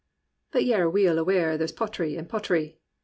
But ya're weel aware there's potry and potry.